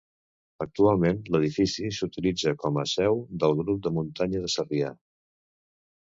Actualment l'edifici s'utilitza com a seu del Grup de muntanya de Sarrià.